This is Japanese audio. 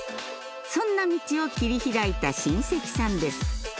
そんな道を切り開いた親戚さんです